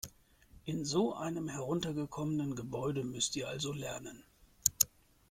In so einem heruntergekommenen Gebäude müsst ihr also lernen?